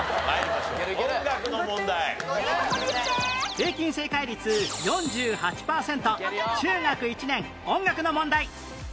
平均正解率４８パーセント中学１年音楽の問題